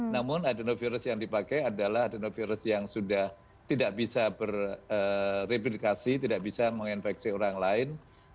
namun adenovirus yang dipakai adalah adenovirus yang sudah tidak bisa bereplikasi tidak bisa menginfeksi orang lain